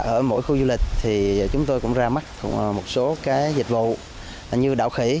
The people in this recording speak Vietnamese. ở mỗi khu du lịch thì chúng tôi cũng ra mắt một số dịch vụ như đảo khỉ